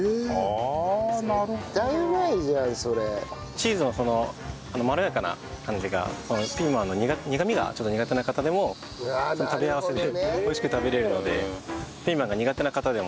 チーズのまろやかな感じがピーマンの苦みが苦手な方でも食べ合わせで美味しく食べられるのでピーマンが苦手な方でも食べられるように。